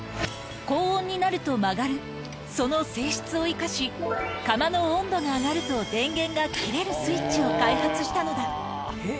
高温になると曲がる、その性質を生かし、釜の温度が上がると、電源が切れるスイッチを開発したのだ。